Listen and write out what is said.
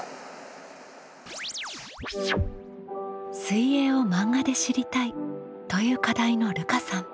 「水泳を漫画で知りたい」という課題のるかさん。